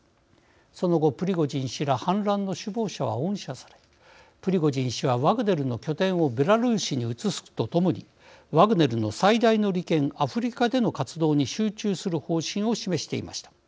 その後、プリゴジン氏ら反乱の首謀者は恩赦されプリゴジン氏はワグネルの拠点をベラルーシに移すとともにワグネルの最大の利権アフリカでの活動に集中する方針を示していました。